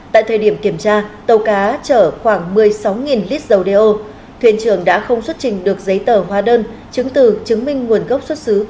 tại thời điểm kiểm tra tàu cá trở khoảng một mươi sáu lít dầu do thuyền trưởng đã không xuất trình được giấy tờ hóa đơn chứng từ chứng minh nguồn gốc xuất xứ của số dầu trên